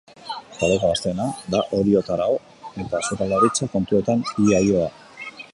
Taldeko gazteena da oriotar hau eta sukaldaritza kontuetan iaioa.